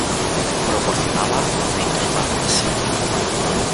Proporcionaba una interfaz simple.